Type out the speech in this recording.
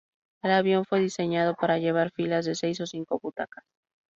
El avión fue diseñado para llevar filas de seis o cinco butacas.